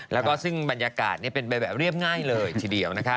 แล้วก็ซึ่งบรรยากาศเป็นไปแบบเรียบง่ายเลยทีเดียวนะคะ